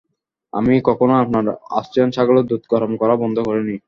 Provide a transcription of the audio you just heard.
আমি কখনই আপনার অস্ট্রিয়ান ছাগলের দুধ গরম করা বন্ধ করিনি।